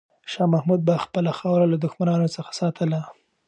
شاه محمود به خپله خاوره له دښمنانو څخه ساتله.